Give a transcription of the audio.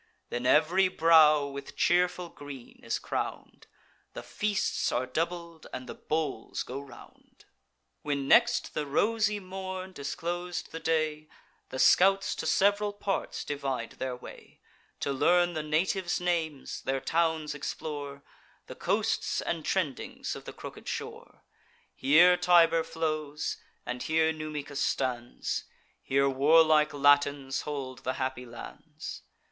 Then ev'ry brow with cheerful green is crown'd, The feasts are doubled, and the bowls go round. When next the rosy morn disclos'd the day, The scouts to sev'ral parts divide their way, To learn the natives' names, their towns explore, The coasts and trendings of the crooked shore: Here Tiber flows, and here Numicus stands; Here warlike Latins hold the happy lands.